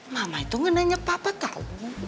mama itu nge nanya papa tahu